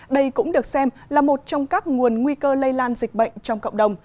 đây cũng được xem là một trong các nguồn nguy cơ lây lan dịch bệnh trong cộng đồng